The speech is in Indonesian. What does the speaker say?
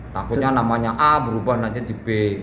takutnya namanya a berubah nanti di b